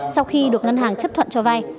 sau khi được ngân hàng chấp thuận cho vai